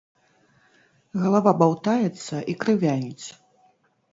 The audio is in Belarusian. Галава баўтаецца і крывяніць.